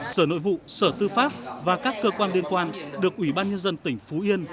sở nội vụ sở tư pháp và các cơ quan liên quan được ủy ban nhân dân tỉnh phú yên